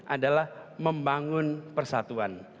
adalah membangun persatuan